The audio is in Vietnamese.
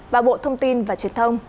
và bộ thông tin và truyền thông